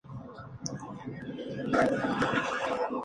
Tiene dos perros que se llaman Stalin y Boturini.